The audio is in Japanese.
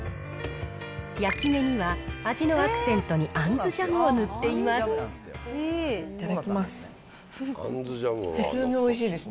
焼き目には味のアクセントにあんずジャムを塗っています。